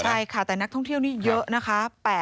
ใช่ค่ะแต่นักท่องเที่ยวนี่เยอะนะคะ